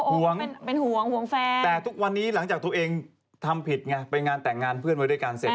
ห่วงเป็นห่วงห่วงแฟนแต่ทุกวันนี้หลังจากตัวเองทำผิดไงไปงานแต่งงานเพื่อนไว้ด้วยกันเสร็จ